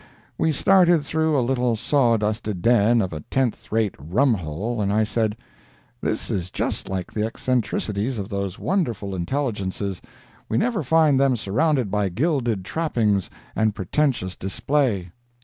We started through a little sawdusted den of a tenth rate rum hole, and I said: "This is just like the eccentricities of those wonderful intelligences—we never find them surrounded by gilded trappings and pretentious display."